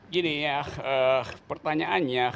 gini ya pertanyaannya